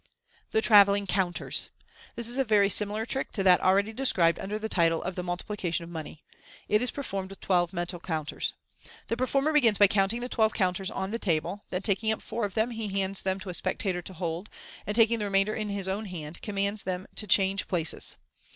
The Travelling Counters. — This is a very similar trick to that already described under the title of the " Multiplication of Money." It is performed with twelve metal counters. The per former begins by counting the twelve counters on the table j then, taking up four of them, he hands them to a spectator to hold, and taking the remainder in his own hand, commands them to change places.